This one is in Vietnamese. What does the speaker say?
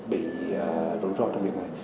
bị rủi ro trong việc này